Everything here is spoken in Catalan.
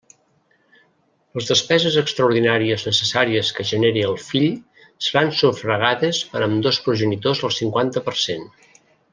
Les despeses extraordinàries necessàries que genere el fill seran sufragades per ambdós progenitors al cinquanta per cent.